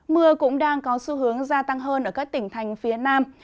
mưa cũng đang có xu hướng gia tăng hơn ở các tỉnh thành phía nam